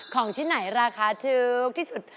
ของชิ้นไหนราคาถูกที่สุด